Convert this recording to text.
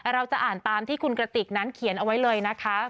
เราจะอ่านตามที่คุณกระติกนั้นเขียนเอาไว้เลยนะคะ